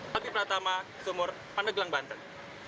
tapi pratama sumur pandeglang banten